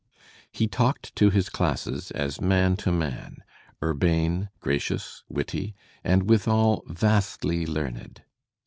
He talked to his classes as man to man, urbane, ^^gracious, witty, and withal vastly learned.